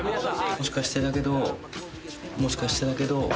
「もしかしてだけどもしかしてだけど」